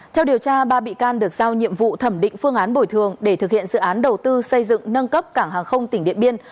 theo điều tra ba bị can được giao nhiệm vụ thẩm định phương án bồi thường để thực hiện dự án đầu tư xây dựng nâng cấp cảng hàng không tỉnh điện biên